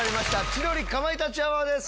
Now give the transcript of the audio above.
『千鳥かまいたちアワー』です。